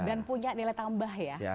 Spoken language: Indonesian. dan punya nilai tambah ya